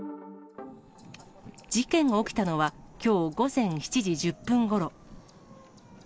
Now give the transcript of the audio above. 事件が起きたのは、きょう午前７時１０分ごろ。